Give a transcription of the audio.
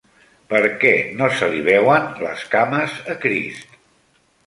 Per què no se li veuen les cames a Crist?